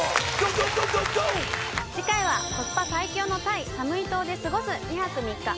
次回はコスパ最強のタイサムイ島で過ごす２泊３日